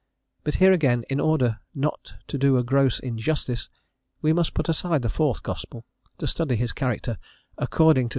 But here again, in order not to do a gross injustice, we must put aside the fourth gospel; to study his character "according to S.